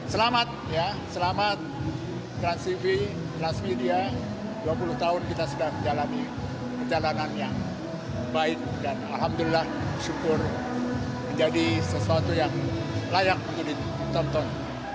selamat ya selamat transtv transmedia dua puluh tahun kita sudah menjalani perjalanan yang baik dan alhamdulillah syukur menjadi sesuatu yang layak untuk ditonton